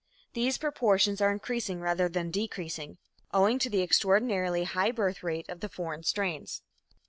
These proportions are increasing rather than decreasing, owing to the extraordinarily high birth rate of the foreign strains.